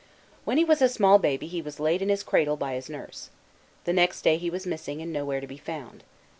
When he was a small baby he was laid in his cradle by his nurse. The next day he was missing and nowhere to be found.